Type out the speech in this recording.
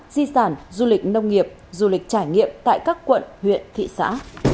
di sản du lịch nông nghiệp du lịch trải nghiệm tại các quận huyện thị xã